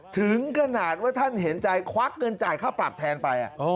ถึงขนาดว่าท่านเห็นใจควักเงินจ่ายค่าปรับแทนไป